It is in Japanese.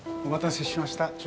お待たせしました。